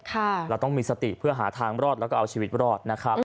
เราต้องมีสติเพื่อหาทางรอดแล้วก็เอาชีวิตรอดนะครับ